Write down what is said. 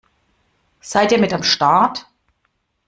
Seid ihr mit am Start?